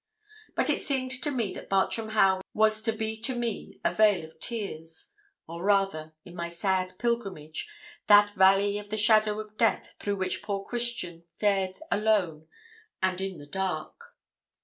But it seemed to me that Bartram Haugh was to be to me a vale of tears; or rather, in my sad pilgrimage, that valley of the shadow of death through which poor Christian fared alone and in the dark.